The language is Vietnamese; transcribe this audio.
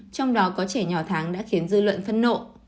trong đó có trẻ nhỏ tháng đã khiến dư luận phân nộ